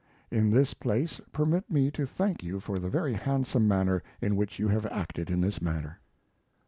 In this place permit me to thank you for the very handsome manner in which you have acted in this matter."